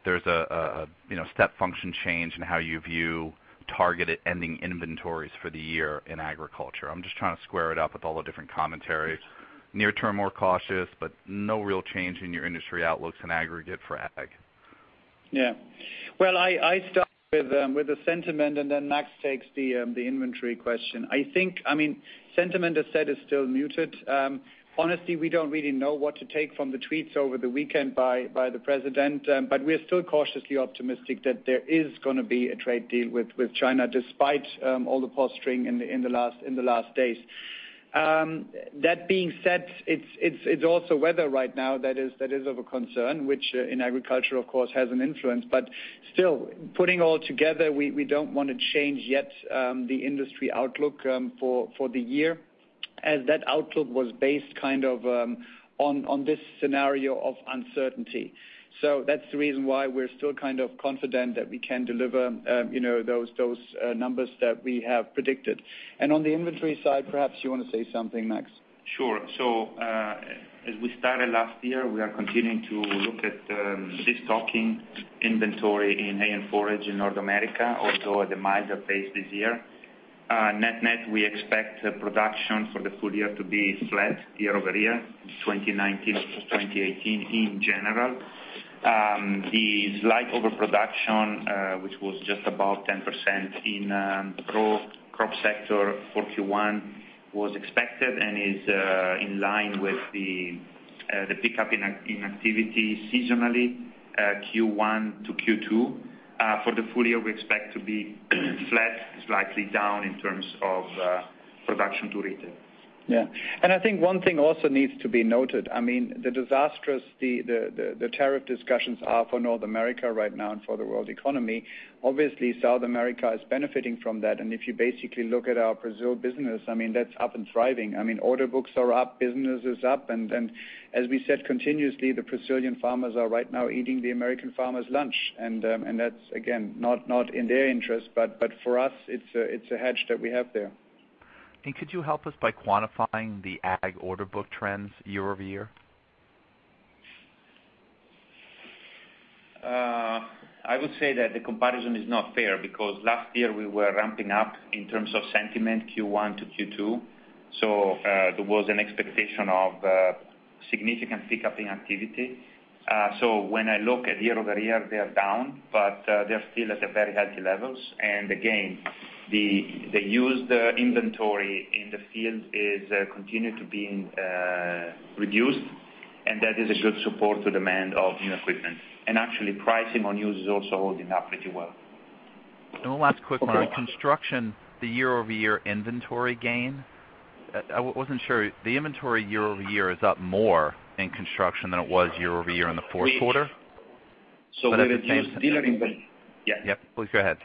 there's a step function change in how you view targeted ending inventories for the year in agriculture. I'm just trying to square it up with all the different commentaries. Near term, more cautious, but no real change in your industry outlooks in aggregate for ag. I start with the sentiment, then Max takes the inventory question. I think, sentiment as said is still muted. Honestly, we don't really know what to take from the tweets over the weekend by the President. We're still cautiously optimistic that there is going to be a trade deal with China despite all the posturing in the last days. That being said, it's also weather right now that is of a concern, which in agriculture, of course, has an influence. Still, putting all together, we don't want to change yet the industry outlook for the year as that outlook was based on this scenario of uncertainty. That's the reason why we're still confident that we can deliver those numbers that we have predicted. On the inventory side, perhaps you want to say something, Max? Sure. As we started last year, we are continuing to look at destocking inventory in hay and forage in North America, although at a milder pace this year. Net-net, we expect production for the full year to be flat year-over-year, 2019 to 2018 in general. The slight overproduction, which was just about 10% in crop sector for Q1 was expected and is in line with the pickup in activity seasonally, Q1 to Q2. For the full year, we expect to be flat, slightly down in terms of production to retail. Yeah. I think one thing also needs to be noted. The disastrous the tariff discussions are for North America right now and for the world economy. Obviously, South America is benefiting from that, and if you basically look at our Brazil business, that's up and thriving. Order books are up, business is up, and as we said, continuously, the Brazilian farmers are right now eating the American farmers' lunch. That's, again, not in their interest, but for us, it's a hedge that we have there. Could you help us by quantifying the ag order book trends year-over-year? I would say that the comparison is not fair because last year we were ramping up in terms of sentiment Q1 to Q2, there was an expectation of a significant pick up in activity. When I look at year-over-year, they are down, but they're still at very healthy levels. Again, they use the inventory field is continuing to be reduced, and that is a good support to demand of new equipment. Actually, pricing on used is also holding up pretty well. The last quick one. On construction, the year-over-year inventory gain, I wasn't sure. The inventory year-over-year is up more in construction than it was year-over-year in the fourth quarter. We reduced dealer. Yeah. Please go ahead.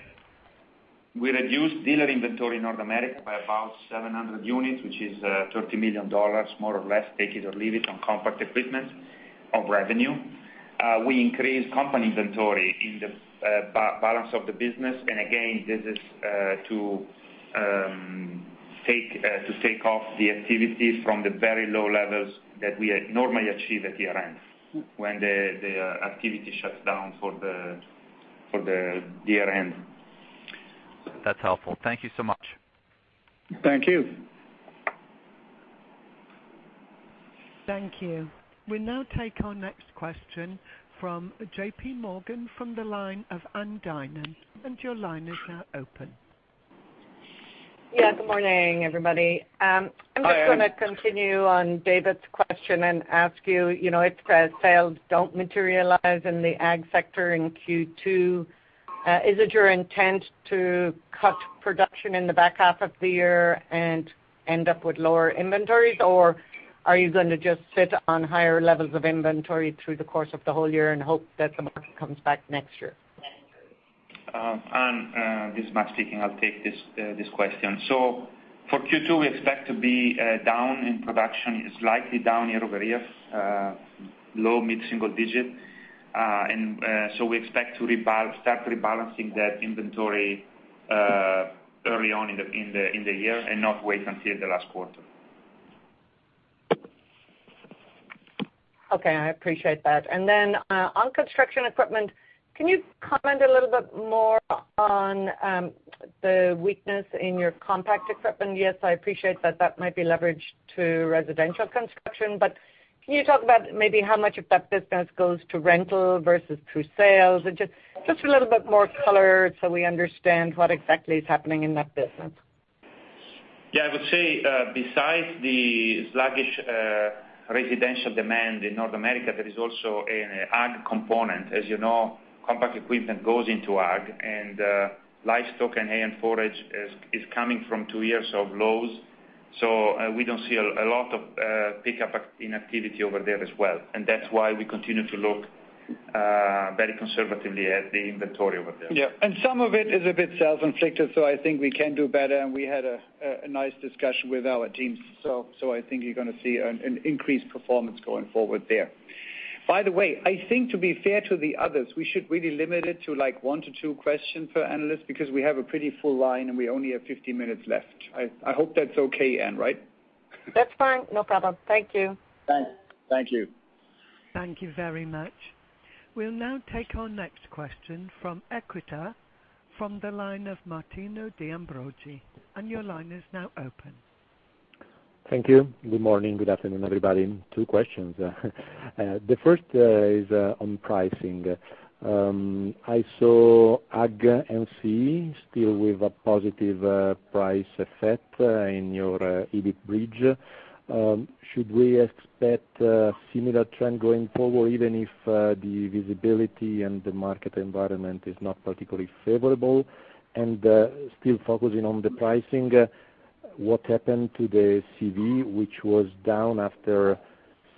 We reduced dealer inventory in North America by about 700 units, which is $30 million, more or less, take it or leave it, on compact equipment of revenue. We increased company inventory in the balance of the business. Again, this is to take off the activity from the very low levels that we normally achieve at year-end, when the activity shuts down for the year-end. That's helpful. Thank you so much. Thank you. Thank you. We'll now take our next question from J.P. Morgan from the line of Ann Duignan, your line is now open. Yeah. Good morning, everybody. Good morning. I'm just going to continue on David's question and ask you, if sales don't materialize in the ag sector in Q2, is it your intent to cut production in the back half of the year and end up with lower inventories? Are you going to just sit on higher levels of inventory through the course of the whole year and hope that the market comes back next year? Ann, this is Max speaking. I'll take this question. For Q2, we expect to be down in production, slightly down year-over-year, low mid-single digit. We expect to start rebalancing that inventory early on in the year and not wait until the last quarter. Okay. I appreciate that. On construction equipment, can you comment a little bit more on the weakness in your compact equipment? Yes, I appreciate that that might be leveraged to residential construction, but can you talk about maybe how much of that business goes to rental versus to sales? Just a little bit more color so we understand what exactly is happening in that business. Yeah. I would say, besides the sluggish residential demand in North America, there is also an ag component. As you know, compact equipment goes into ag, and livestock and hay and forage is coming from two years of lows. We don't see a lot of pickup in activity over there as well, and that's why we continue to look very conservatively at the inventory over there. Yeah. Some of it is a bit self-inflicted, so I think we can do better. We had a nice discussion with our teams. I think you're going to see an increased performance going forward there. By the way, I think to be fair to the others, we should really limit it to one to two questions per analyst because we have a pretty full line, and we only have 15 minutes left. I hope that's okay, Ann, right? That's fine. No problem. Thank you. Thanks. Thank you. Thank you very much. We'll now take our next question from Equita from the line of Martino De Ambroggi, your line is now open. Thank you. Good morning. Good afternoon, everybody. Two questions. The first is on pricing. I saw ag and C still with a positive price effect in your EBIT bridge. Should we expect a similar trend going forward, even if the visibility and the market environment is not particularly favorable? Still focusing on the pricing, what happened to the CV, which was down after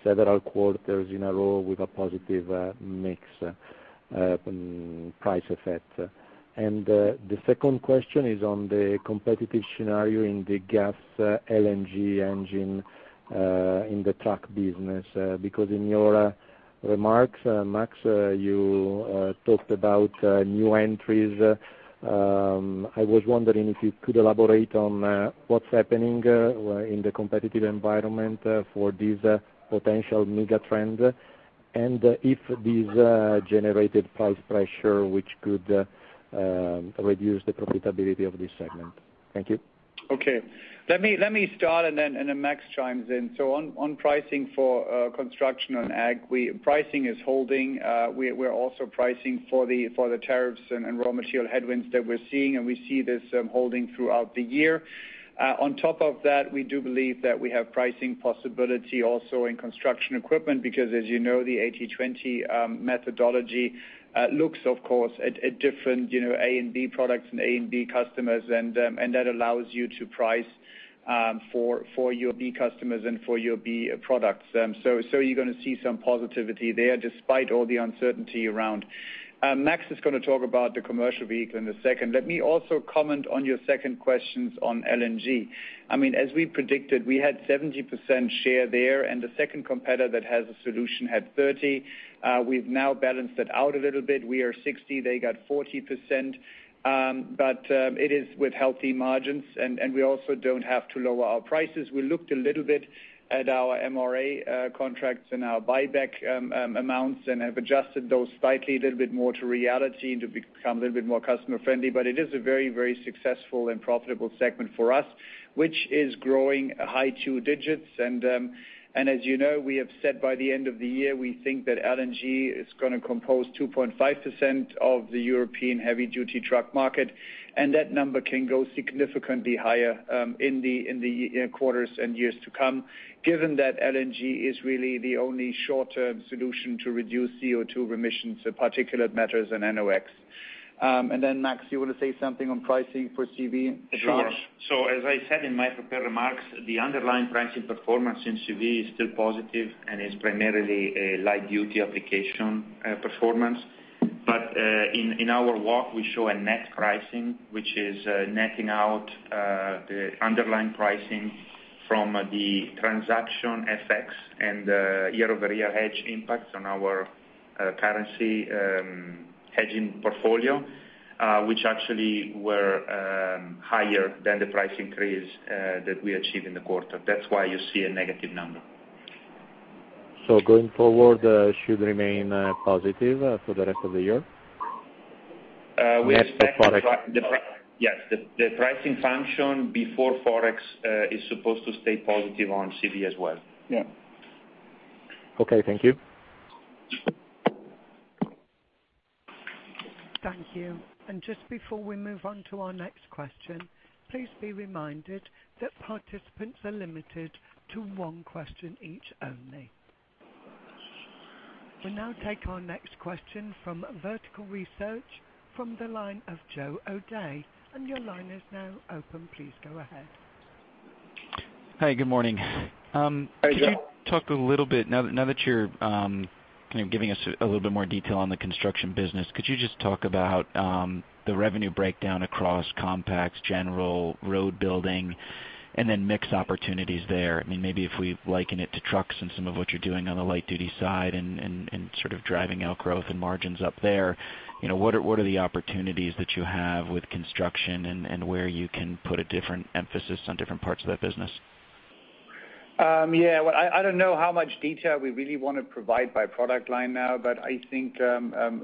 several quarters in a row with a positive mix price effect? The second question is on the competitive scenario in the gas LNG engine in the truck business. In your remarks, Max, you talked about new entries. I was wondering if you could elaborate on what's happening in the competitive environment for this potential mega-trend and if this generated price pressure which could reduce the profitability of this segment. Thank you. Okay. Let me start, then Max chimes in. On pricing for construction and ag, pricing is holding. We're also pricing for the tariffs and raw material headwinds that we're seeing, we see this holding throughout the year. On top of that, we do believe that we have pricing possibility also in construction equipment because, as you know, the 80/20 methodology looks, of course, at different A and B products and A and B customers. That allows you to price for your B customers and for your B products. You're going to see some positivity there despite all the uncertainty around. Max is going to talk about the commercial vehicle in a second. Let me also comment on your second questions on LNG. As we predicted, we had 70% share there, and the second competitor that has a solution had 30%. We've now balanced it out a little bit. We are 60%, they got 40%. It is with healthy margins, and we also don't have to lower our prices. We looked a little bit at our MRA contracts and our buyback amounts and have adjusted those slightly a little bit more to reality and to become a little bit more customer-friendly. It is a very, very successful and profitable segment for us, which is growing high two digits. As you know, we have said by the end of the year, we think that LNG is going to compose 2.5% of the European heavy-duty truck market, and that number can go significantly higher in the quarters and years to come, given that LNG is really the only short-term solution to reduce CO2 emissions, particulate matter, and NOx. Max, you want to say something on pricing for CV? Sure. Sure. As I said in my prepared remarks, the underlying pricing performance in CV is still positive and is primarily a light-duty application performance. In our walk, we show a net pricing, which is netting out the underlying pricing from the transaction FX and year-over-year hedge impacts on our currency hedging portfolio, which actually were higher than the price increase that we achieved in the quarter. That's why you see a negative number. Going forward, it should remain positive for the rest of the year? Net of ForEx. Yes. The pricing function before ForEx is supposed to stay positive on CV as well. Yeah. Okay, thank you. Thank you. Just before we move on to our next question, please be reminded that participants are limited to one question each only. We'll now take our next question from Vertical Research from the line of Joe O'Dea. Your line is now open. Please go ahead. Hi, good morning. Hi, Joe. Could you talk a little bit, now that you're giving us a little bit more detail on the construction business, could you just talk about the revenue breakdown across compacts, general road building, and then mix opportunities there? Maybe if we liken it to trucks and some of what you're doing on the light-duty side and, sort of driving out growth and margins up there, what are the opportunities that you have with construction and where you can put a different emphasis on different parts of that business? Well, I don't know how much detail we really want to provide by product line now, but I think,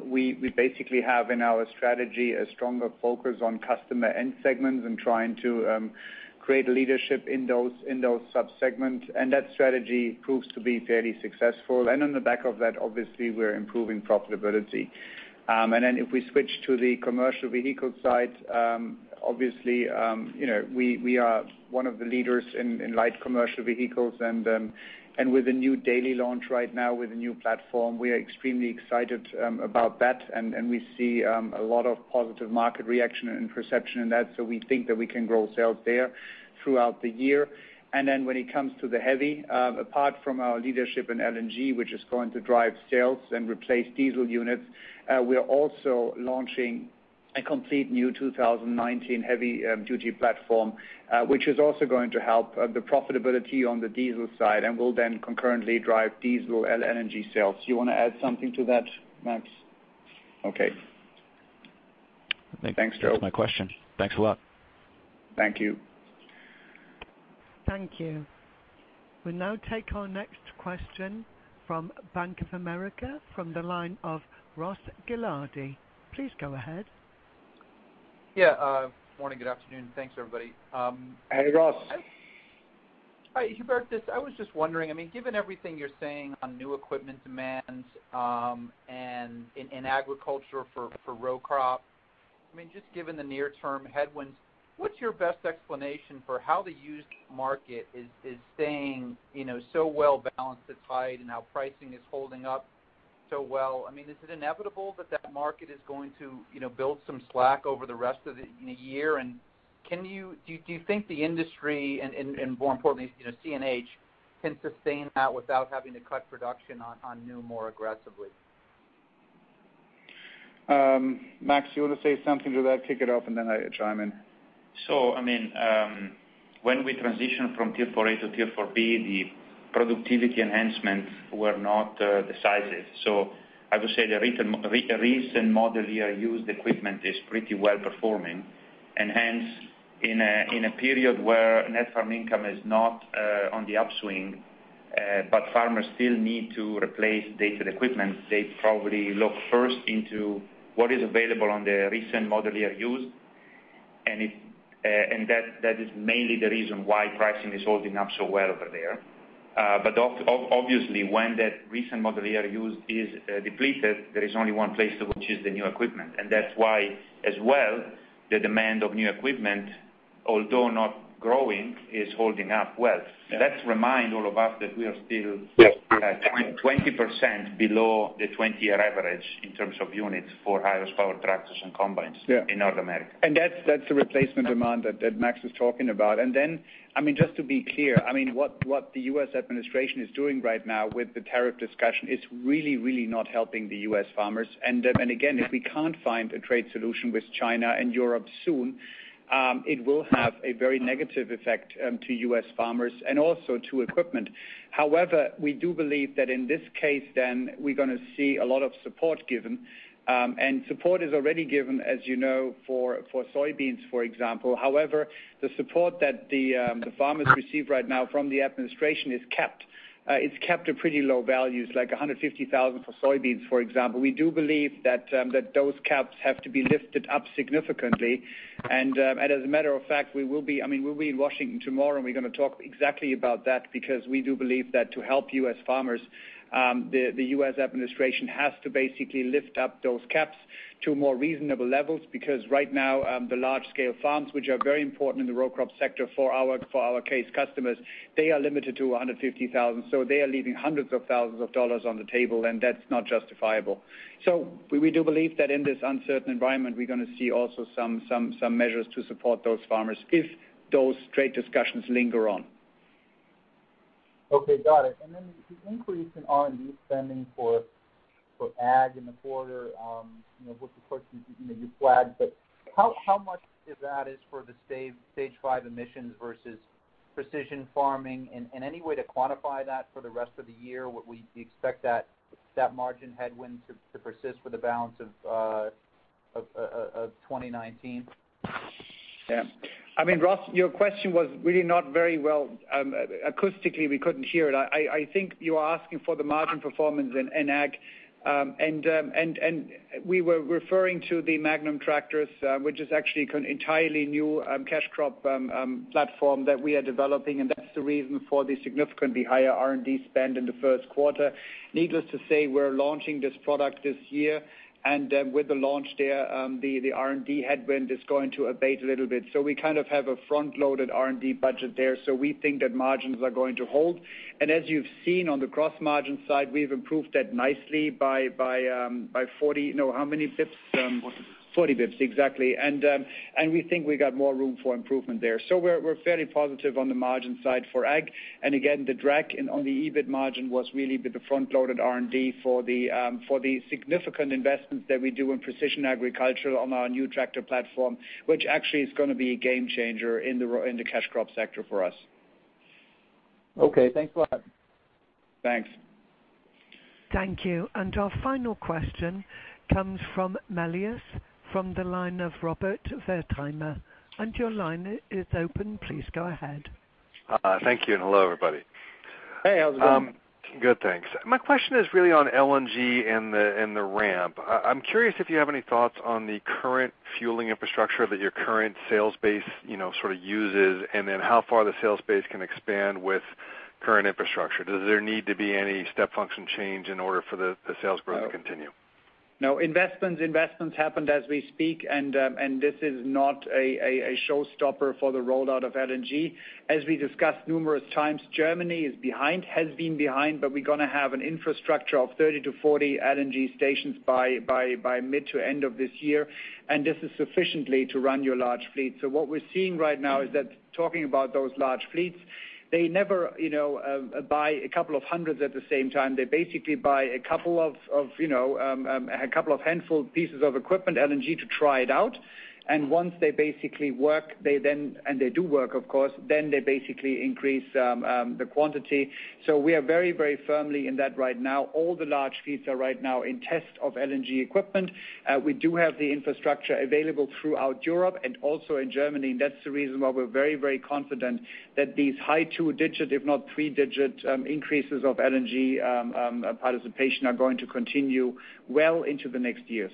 we basically have in our strategy a stronger focus on customer end segments and trying to create leadership in those sub-segments. That strategy proves to be fairly successful. On the back of that, obviously, we're improving profitability. If we switch to the commercial vehicle side, obviously, we are one of the leaders in light commercial vehicles and with a new Daily launch right now, with a new platform, we are extremely excited about that. We see a lot of positive market reaction and perception in that. We think that we can grow sales there throughout the year. When it comes to the heavy, apart from our leadership in LNG, which is going to drive sales and replace diesel units, we are also launching a complete new 2019 heavy-duty platform. Which is also going to help the profitability on the diesel side and will then concurrently drive diesel LNG sales. You want to add something to that, Max? Okay. Thanks, Joe. That was my question. Thanks a lot. Thank you. Thank you. We'll now take our next question from Bank of America from the line of Ross Gilardi. Please go ahead. Yeah. Morning, good afternoon. Thanks, everybody. Hi, Ross. Hubertus, I was just wondering, given everything you're saying on new equipment demands, and in agriculture for row crop, just given the near-term headwinds, what's your best explanation for how the used market is staying so well balanced, its height and how pricing is holding up so well. Do you think the industry, and more importantly, CNH can sustain that without having to cut production on new more aggressively? Max, you want to say something to that? Kick it off and then I chime in. When we transition from Tier 4 Interim to Tier 4 Final, the productivity enhancements were not decisive. I would say the recent model year used equipment is pretty well-performing. Hence, in a period where net farm income is not on the upswing, but farmers still need to replace dated equipment, they probably look first into what is available on the recent model year used. That is mainly the reason why pricing is holding up so well over there. Obviously, when that recent model year used is depleted, there is only one place to go, which is the new equipment. That's why as well, the demand of new equipment, although not growing, is holding up well. Yeah. Let's remind all of us that we are still. Yes 20% below the 20-year average in terms of units for high horsepower tractors and combines. Yeah In North America. That's the replacement demand that Max was talking about. Then, just to be clear, what the U.S. administration is doing right now with the tariff discussion is really, really not helping the U.S. farmers. Again, if we can't find a trade solution with China and Europe soon, it will have a very negative effect to U.S. farmers and also to equipment. However, we do believe that in this case then we're going to see a lot of support given, and support is already given, as you know, for soybeans, for example. However, the support that the farmers receive right now from the administration is capped. It's capped at pretty low values, like 150,000 for soybeans, for example. We do believe that those caps have to be lifted up significantly. As a matter of fact, we'll be in Washington tomorrow and we're going to talk exactly about that because we do believe that to help U.S. farmers, the U.S. administration has to basically lift up those caps to more reasonable levels. Because right now, the large-scale farms, which are very important in the row crop sector for our Case IH customers, they are limited to 150,000. They are leaving hundreds of thousands of EUR on the table, and that's not justifiable. We do believe that in this uncertain environment, we're going to see also some measures to support those farmers if those trade discussions linger on. Okay, got it. The increase in R&D spending for Ag in the quarter, which of course, you flagged, but how much of that is for the Stage 5 emissions versus precision farming? Is there any way to quantify that for the rest of the year? Would we expect that margin headwind to persist for the balance of 2019? Yeah. Ross, your question was really not very well Acoustically, we couldn't hear it. I think you were asking for the margin performance in Ag. We were referring to the Magnum tractors, which is actually an entirely new cash crop platform that we are developing, and that's the reason for the significantly higher R&D spend in the first quarter. Needless to say, we're launching this product this year, and with the launch there, the R&D headwind is going to abate a little bit. We kind of have a front-loaded R&D budget there, so we think that margins are going to hold. As you've seen on the gross margin side, we've improved that nicely by 40. No, how many basis points? 40. 40 basis points, exactly. We think we got more room for improvement there. We're fairly positive on the margin side for Ag. Again, the drag on the EBIT margin was really with the front-loaded R&D for the significant investments that we do in precision agriculture on our new tractor platform, which actually is going to be a game changer in the cash crop sector for us. Okay, thanks a lot. Thanks. Thank you. Our final question comes from Melius Research from the line of Robert Wertheimer. Your line is open, please go ahead. Thank you. Hello, everybody. Hey, how's it going? Good, thanks. My question is really on LNG and the ramp. I'm curious if you have any thoughts on the current fueling infrastructure that your current sales base sort of uses, and then how far the sales base can expand with current infrastructure. Does there need to be any step function change in order for the sales growth to continue? No. Investments happened as we speak. This is not a showstopper for the rollout of LNG. As we discussed numerous times, Germany is behind, has been behind. We're going to have an infrastructure of 30 to 40 LNG stations by mid to end of this year. This is sufficiently to run your large fleet. What we're seeing right now is that talking about those large fleets, they never buy a couple of hundreds at the same time. They basically buy a couple of handful pieces of equipment, LNG to try it out. Once they basically work, and they do work, of course, then they basically increase the quantity. We are very firmly in that right now. All the large fleets are right now in test of LNG equipment. We do have the infrastructure available throughout Europe and also in Germany, and that's the reason why we're very confident that these high two-digit, if not three-digit, increases of LNG participation are going to continue well into the next years.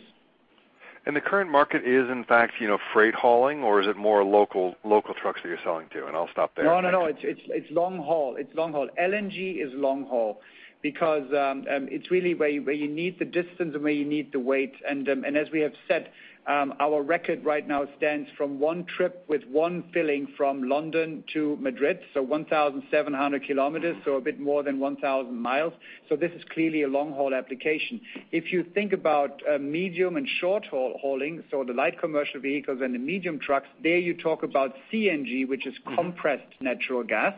The current market is, in fact, freight hauling, or is it more local trucks that you're selling to? I'll stop there. No, it's long haul. LNG is long haul because it's really where you need the distance and where you need the weight. As we have said, our record right now stands from one trip with one filling from London to Madrid, so 1,700 km, so a bit more than 1,000 mi. This is clearly a long-haul application. If you think about medium and short hauling, the light commercial vehicles and the medium trucks, there you talk about CNG, which is compressed natural gas.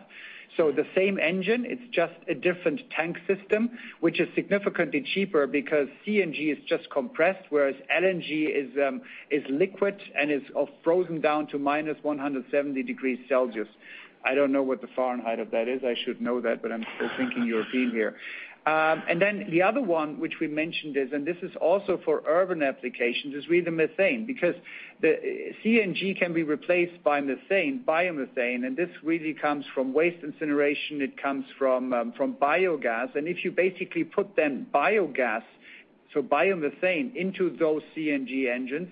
The same engine, it's just a different tank system, which is significantly cheaper because CNG is just compressed, whereas LNG is liquid and is frozen down to -170 degrees Celsius. I don't know what the Fahrenheit of that is. I should know that, but I'm still thinking European here. The other one which we mentioned is, and this is also for urban applications, is really methane. The CNG can be replaced by methane, biomethane, and this really comes from waste incineration. It comes from biogas. If you basically put biogas, biomethane, into those CNG engines,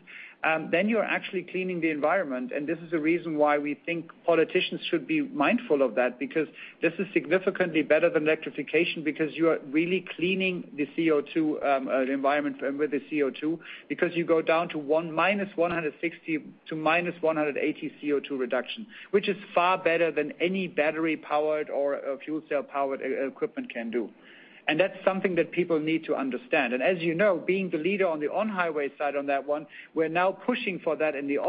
you're actually cleaning the environment. This is the reason why we think politicians should be mindful of that, because this is significantly better than electrification because you are really cleaning the environment with the CO2 because you go down to -160 to -180 CO2 reduction, which is far better than any battery-powered or fuel cell-powered equipment can do. That's something that people need to understand. As you know, being the leader on the on-highway side on that one, we're now pushing for that in the off-